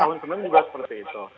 tahun sebelum juga seperti itu